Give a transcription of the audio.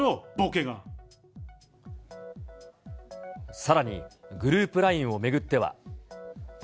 さらに、グループＬＩＮＥを巡っては。